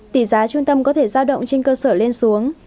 tỷ giá trung tâm có thể giao động trên cơ sở lên xuống